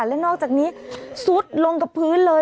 และนอกจากนี้ซุดลงกับพื้นเลย